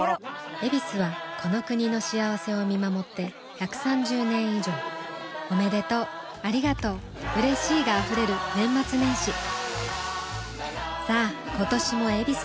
「ヱビス」はこの国の幸せを見守って１３０年以上おめでとうありがとううれしいが溢れる年末年始さあ今年も「ヱビス」で